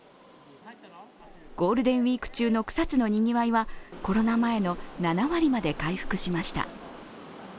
ゴールデンウイーク中の草津のにぎわいは、コロナ前の７割まで回復しました。